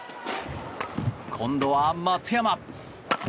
今度は松山。